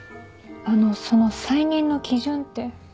あのその再任の基準って？